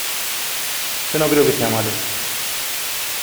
yo no creo que sea malo